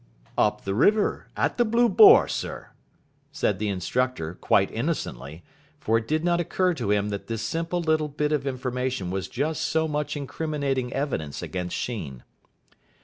"Up the river at the 'Blue Boar', sir," said the instructor, quite innocently for it did not occur to him that this simple little bit of information was just so much incriminating evidence against Sheen.